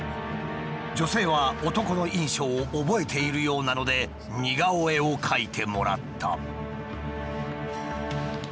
女性は男の印象を覚えているようなので似顔絵を描いてもらった。